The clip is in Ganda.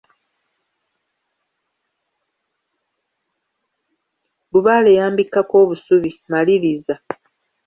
Lubaale yambikkako obusubi, maliriza.